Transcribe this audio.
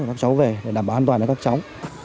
các cháu về để đảm bảo an toàn cho các cháu